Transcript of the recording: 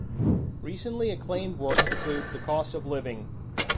Recently acclaimed works include "The Cost of Living".